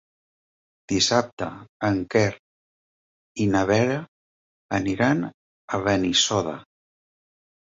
Dissabte en Quer i na Vera aniran a Benissoda.